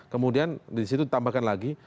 kemudian disitu ditambahkan lagi